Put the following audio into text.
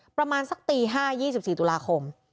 ประมาณสักตี๕๒๔ตุลาคม